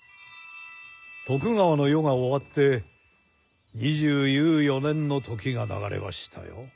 徳川の世が終わって二十有余年の時が流れましたよ。